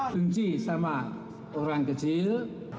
benci sama orang kecil